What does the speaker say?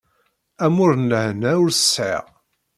Amur n lehna ur t-sεiɣ.